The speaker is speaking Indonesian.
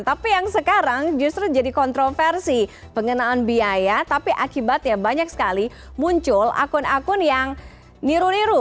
tapi yang sekarang justru jadi kontroversi pengenaan biaya tapi akibatnya banyak sekali muncul akun akun yang niru niru